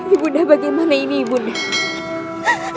ibu dah bagaimana ini ibu dah